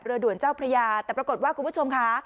ด่วนเจ้าพระยาแต่ปรากฏว่าคุณผู้ชมค่ะ